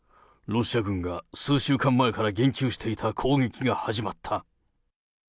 ロシア軍が数週間前から言及していた攻撃が始まった。